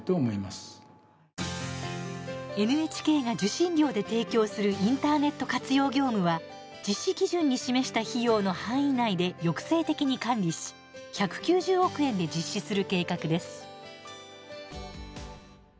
ＮＨＫが受信料で提供するインターネット活用業務は実施基準に示した費用の範囲内で抑制的に管理し１９０億円で実施する計画です。